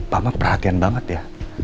mama perhatian banget ya